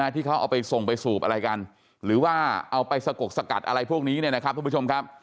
ที่เขาเอาไปส่งไปสูบอะไรกันหรือว่าเอาไปสะกกสกัดอะไรพวกนี้เนี่ยนะครับทุกผู้ชมครับ